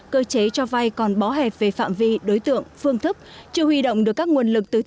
cơ chế cho vay còn bó hẹp về phạm vi đối tượng phương thức chưa huy động được các nguồn lực từ